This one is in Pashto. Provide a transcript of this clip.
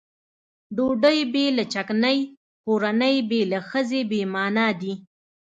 ډوډۍ بې له چکنۍ کورنۍ بې له ښځې بې معنا دي.